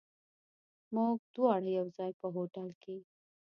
موږ دواړه یو ځای، په هوټل کې.